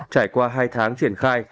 trải qua hai tháng triển khai